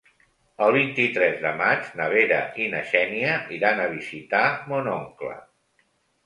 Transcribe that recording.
El vint-i-tres de maig na Vera i na Xènia iran a visitar mon oncle.